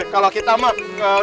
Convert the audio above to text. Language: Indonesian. kalau kita mau